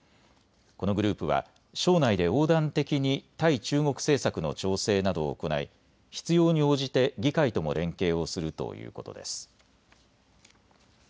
このグループは省内で横断的に対中国政策の調整などを行い必要に応じて議会とも連携をするということです。